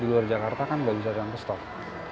di luar jakarta kan nggak bisa datang ke store